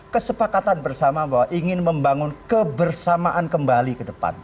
kesepakatan bersama bahwa ingin membangun kebersamaan kembali ke depan